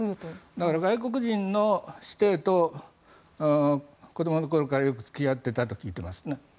だから、外国人と子どもの頃からよく付き合っていたと聞いていますね。